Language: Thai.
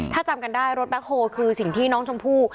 ถ้าจำกันได้รถแบ็คโฮลคือสิ่งที่น้องชมพู่